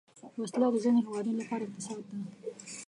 وسله د ځینو هیوادونو لپاره اقتصاد ده